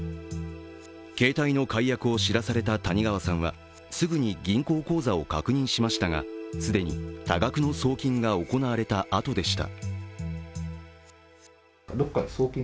携帯の解約を知らされた谷川さんはすぐに銀行口座を確認しましたが既に、多額の送金が行われたあとでした。